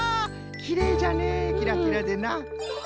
きれいじゃねキラキラでな。